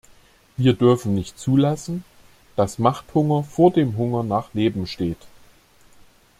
Wir dürfen nicht zulassen, dass Machthunger vor dem Hunger nach Leben steht.